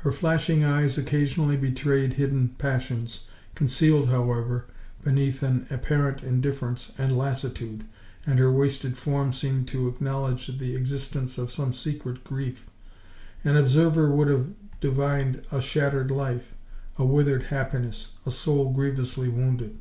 Her flashing eyes occasionally betrayed hidden passions, concealed, however, beneath an apparent indifference and lassitude, and her wasted form seemed to acknowledge the existence of some secret grief. An observer would have divined a shattered life, a withered happiness, a soul grievously wounded.